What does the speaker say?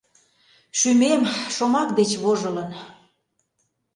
Шÿмем, шомак деч вожылын